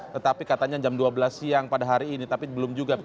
tetapi katanya jam dua belas siang pada hari ini tapi belum juga